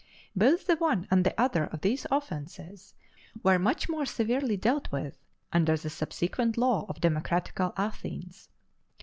Both the one and the other of these offences were much more severely dealt with under the subsequent law of democratical Athens.